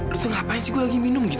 lu tuh ngapain sih gue lagi minum gitu